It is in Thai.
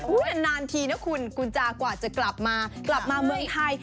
อุ้ยนานทีนะคุณกูจากว่าจะกลับมาเมืองไทย